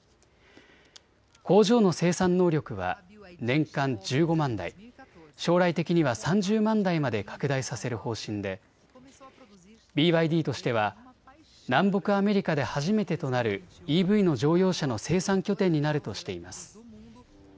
工場の生産能力は年間１５万台、将来的には３０万台まで拡大させる方針でＢＹＤとしては南北アメリカで初めてとなるＥＶの乗用車の生産拠点になるとしています。